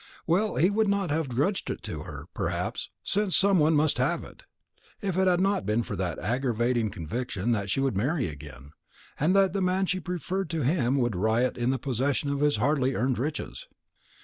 Well, he would not have grudged it to her, perhaps, since some one must have it, if it had not been for that aggravating conviction that she would marry again, and that the man she preferred to him would riot in the possession of his hardly earned riches.